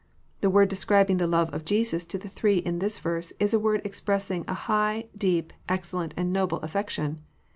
The word describing the love of Jesus to the three in this verse is a word expressing a high, deep, excellent, and noble affec tion.